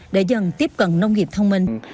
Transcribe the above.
để dần tiếp cận nông nghiệp thông minh